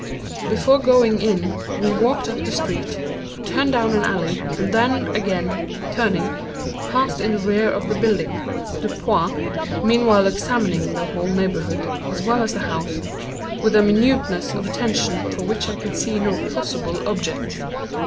_ Before going in we walked up the street, turned down an alley, and then, again turning, passed in the rear of the building—Dupin, meanwhile examining the whole neighborhood, as well as the house, with a minuteness of attention for which I could see no possible object.